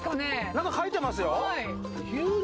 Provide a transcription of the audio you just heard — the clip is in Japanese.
何か書いてますよ。